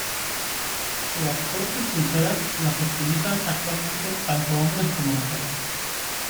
Las torques pulseras las utilizan actualmente tanto hombres como mujeres.